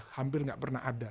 hampir gak pernah ada